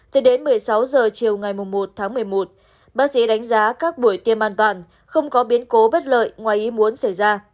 từ đến một mươi sáu h chiều ngày một tháng một mươi một bác sĩ đánh giá các buổi tiêm an toàn không có biến cố bất lợi ngoài ý muốn xảy ra